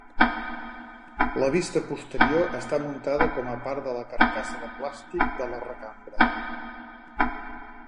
La vista posterior està muntada com a part de la carcassa de plàstic de la recambra.